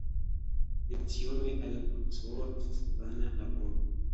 Lecionoj al profesoro estas vana laboro.